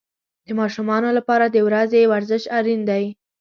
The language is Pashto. د ماشومانو لپاره د ورځې ورزش اړین دی.